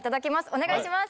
お願いします